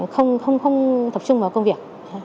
không tập trung vào công việc